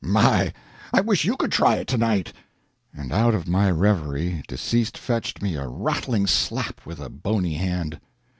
My! I wish you could try it to night!" and out of my reverie deceased fetched me a rattling slap with a bony hand.